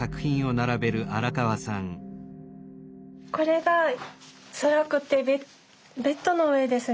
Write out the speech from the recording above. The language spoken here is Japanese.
これがつらくてベッドの上ですね